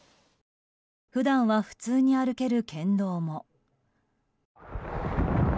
普段は普通に歩ける県道も。